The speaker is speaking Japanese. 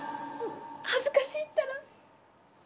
恥ずかしいったら。